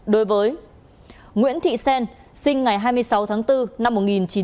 đối với nguyễn thị xen sinh ngày hai mươi sáu tháng bốn năm một nghìn chín trăm bảy mươi